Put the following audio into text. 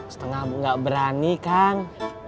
setengah gak berani kang